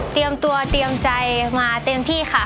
เตรียมตัวเตรียมใจมาเต็มที่ค่ะ